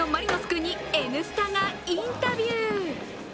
君に「Ｎスタ」がインタビュー！